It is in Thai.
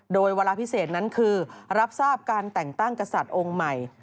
โดยเวลาพิเศษนั้นคือรับทราบการแต่งตั้งกษัตริย์องค์ใหม่